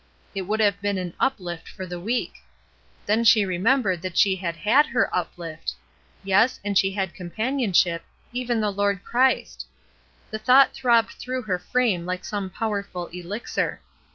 It would have been an "uplift" for the week. Then she remembered that she had had her uphft; yes, and she had companionship, even the Lord Christ. The thought throbbed through her frame hke some powerful elixir.